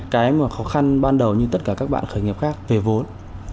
cái mà khó khăn ban đầu như tất cả các bạn khởi nghiệp khác về vốn